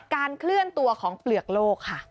เคลื่อนตัวของเปลือกโลกค่ะ